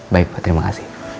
baik pak terima kasih